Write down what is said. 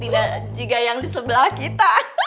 tidak juga yang di sebelah kita